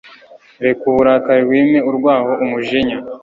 Reka uburakari wime urwaho umujinya